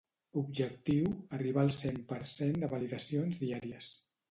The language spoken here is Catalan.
Objectiu: arribar al cent per cent de validacions diàries.